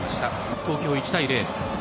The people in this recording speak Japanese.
東京、１対０。